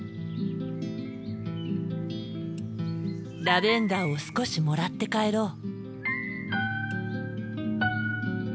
ラベンダーを少しもらって帰ろう。